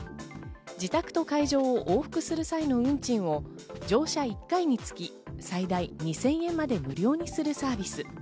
自宅と会場を往復する際の運賃を乗車１回につき最大２０００円まで無料にするサービス。